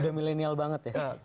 udah millennial banget ya